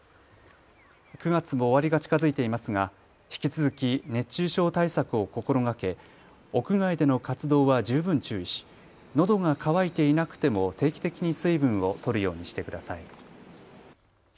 ９月も終わりが近づいていますが引き続き熱中症対策を心がけ屋外での活動は十分注意しのどが渇いていなくても定期的に水分をとるようにしてください。